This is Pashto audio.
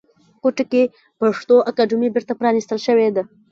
کوټې کې پښتو اکاډمۍ بیرته پرانیستل شوې ده